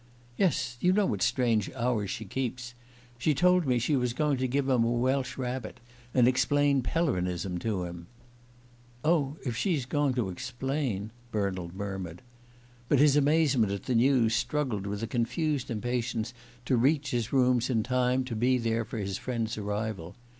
"Yes. You know what strange hours she keeps. She told me she was going to give him a Welsh rabbit, and explain Pellerinism to him." "Oh, if she's going to explain " Bernald murmured. But his amazement at the news struggled with a confused impatience to reach his rooms in time to be there for his friend's arrival.